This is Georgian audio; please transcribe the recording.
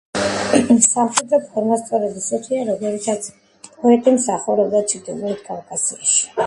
სამხედრო ფორმა სწორედ ისეთია, როგორითაც პოეტი მსახურობდა ჩრდილოეთ კავკასიაში.